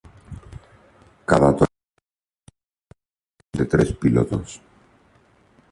Cada Torino, presentó una tripulación de tres pilotos.